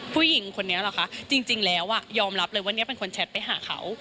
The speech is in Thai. ผู้หญิงคนนี้เหรอคะจริงแล้วยอมรับเลยว่าเนี่ยเป็นคนแชทไปหาเขา